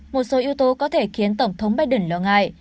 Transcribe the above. một số yếu tố có thể khiến tổng thống biden lo ngại